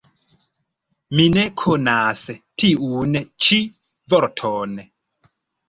Mi ne konas tiun ĉi vorton.